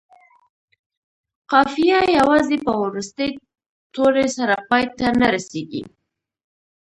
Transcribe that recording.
قافیه یوازې په وروستي توري سره پای ته نه رسيږي.